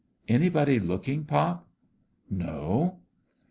"Anybody looking, pop?" "No."